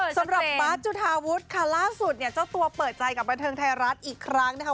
สำหรับบาทจุธาวุฒิค่ะล่าสุดเนี่ยเจ้าตัวเปิดใจกับบันเทิงไทยรัฐอีกครั้งนะคะ